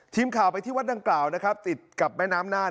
ทีมข่าวไปที่วัดหลังเก่าติดกับแม่น้ำนาฬ